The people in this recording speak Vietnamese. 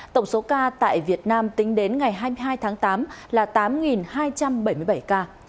tổng số ca tại việt nam tính đến ngày hai mươi hai tháng tám là tám hai trăm bảy mươi bảy ca